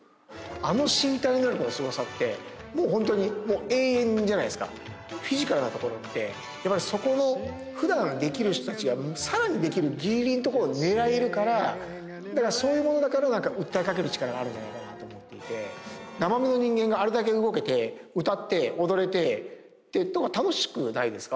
あの身体能力のすごさってもうホントに永遠じゃないですかフィジカルなところってやっぱりそこのふだんできる人たちがさらにできるギリギリのところを狙えるからそういうものだから訴えかける力があるんじゃないかなと思って生身の人間があれだけ動けて歌って踊れて楽しくないですか